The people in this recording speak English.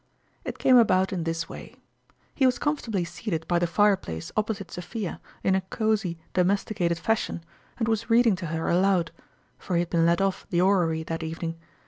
It came about in this way. He was com fortably seated by the fireplace opposite Sophia in a cosy, domesticated fashion, and was read ing to her aloud ; for he had been let off the orrery that evening.